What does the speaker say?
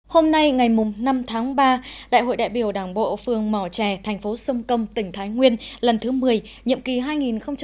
hôm nay ngày năm tháng ba đại hội đại biểu đảng bộ phường mò trè thành phố sông công tỉnh thái nguyên lần thứ một mươi nhiệm kỳ hai nghìn hai mươi hai nghìn hai mươi năm